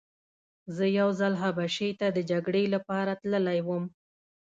زه یو ځل حبشې ته د جګړې لپاره تللی وم.